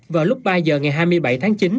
vào lúc ba giờ ngày hai mươi bảy tháng chín